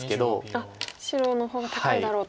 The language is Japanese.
白の方が高いだろうと。